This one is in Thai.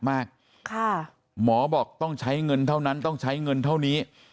มากค่ะหมอบอกต้องใช้เงินเท่านั้นต้องใช้เงินเท่านี้